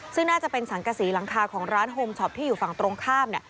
ซึ่งน่าจะเป็นสังกษีหลังคาของร้านโฮมช็อปที่อยู่ฝั่งตรงข้าม